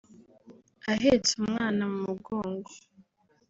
ahetse umwana mu mugongo